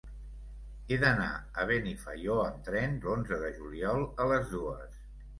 He d'anar a Benifaió amb tren l'onze de juliol a les dues.